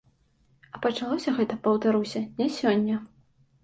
А пачалося гэта, паўтаруся, не сёння.